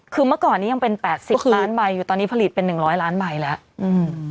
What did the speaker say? คือเมื่อก่อนนี้ยังเป็นแปดสิบล้านใบอยู่ตอนนี้ผลิตเป็นหนึ่งร้อยล้านใบแล้วอืม